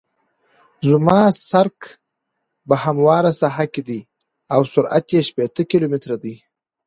زما سرک په همواره ساحه کې دی او سرعت یې شپیته کیلومتره دی